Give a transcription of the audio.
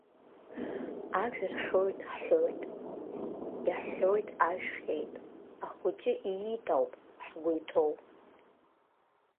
Ажә рхьоит ҳҳәоит, иаҳҳәоит ажә хьеит, ахәыҷы иит ауп ҳгәы иҭоу.